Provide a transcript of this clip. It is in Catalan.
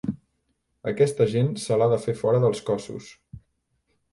Aquesta gent se l’ha de fer fora dels cossos.